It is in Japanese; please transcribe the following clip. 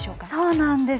そうなんです。